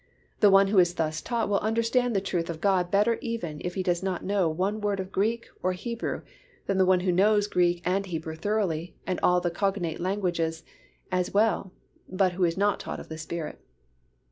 The one who is thus taught will understand the truth of God better even if he does not know one word of Greek or Hebrew, than the one who knows Greek and Hebrew thoroughly and all the cognate languages as well, but who is not taught of the Spirit.